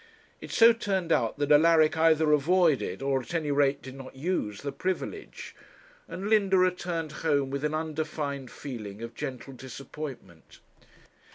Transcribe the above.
It so turned out that Alaric either avoided, or, at any rate, did not use the privilege, and Linda returned home with an undefined feeling of gentle disappointment.